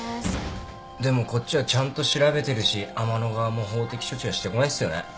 でもこっちはちゃんと調べてるし阿万野側も法的処置はしてこないっすよね。